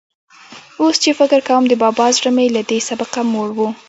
اوس چې فکر کوم، د بابا زړه مې له دې سبقه موړ و.